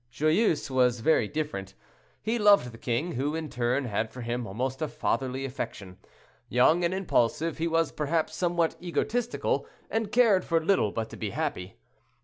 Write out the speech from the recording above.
Joyeuse was very different. He loved the king, who, in turn, had for him almost a fatherly affection. Young and impulsive, he was, perhaps, somewhat egotistical, and cared for little but to be happy.